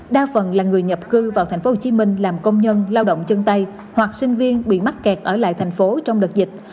đa phần là người nhập cư vào thành phố hồ chí minh làm công nhân lao động chân tay hoặc sinh viên bị mắc kẹt ở lại thành phố trong đợt dịch